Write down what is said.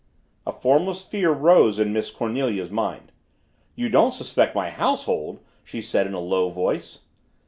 A formless fear rose in Miss Cornelia's mind. "You don't suspect my household?" she said in a low voice.